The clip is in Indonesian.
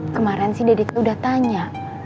kemaren sih dede teh udah tanya